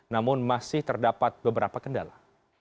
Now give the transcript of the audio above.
namun masih terdapat beberapa kendala